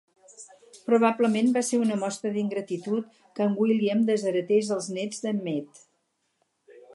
Probablement va ser una mostra d"ingratitud que en William desheretés els néts de"n Mead.